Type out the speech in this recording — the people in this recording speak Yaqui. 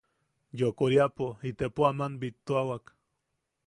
Yokoriapo itepo aman bittuawak.